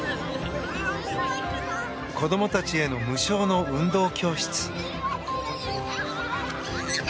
子供たちへの無償の運動教室。